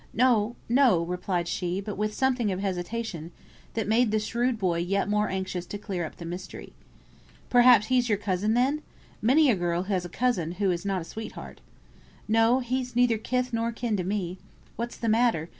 "No no," replied she, but with something of hesitation, that made the shrewd boy yet more anxious to clear up the mystery. "Perhaps he's your cousin, then? Many a girl has a cousin who has not a sweetheart." "No, he's neither kith nor kin to me. What's the matter?